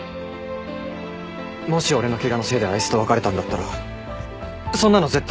もし俺のケガのせいであいつと別れたんだったらそんなの絶対。